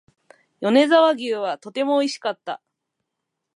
米沢牛はとても美味しかった